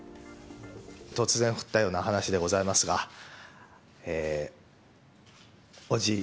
突然降ったような話でございますがおじ